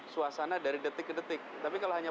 suasana dari detik ke detik tapi kalau hanya